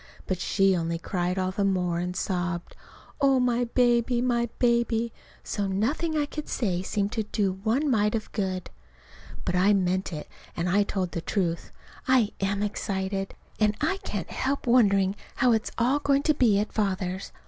But she only cried all the more, and sobbed, "Oh, my baby, my baby!" so nothing I could say seemed to do one mite of good. But I meant it, and I told the truth. I am excited. And I can't help wondering how it's all going to be at Father's.